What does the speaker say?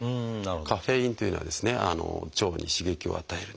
カフェインというのは腸に刺激を与えるので。